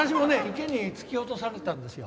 池に突き落とされたんですよ。